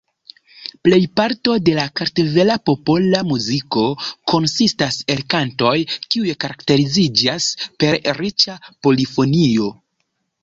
Plejparto de la kartvela popola muziko konsistas el kantoj kiuj karakteriziĝas per riĉa polifonio.